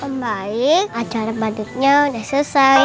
pembaik acara badutnya sudah selesai